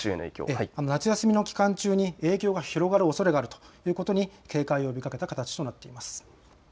夏休みの期間中に影響が広がるおそれがあるということに警戒を呼びかけた形となっています。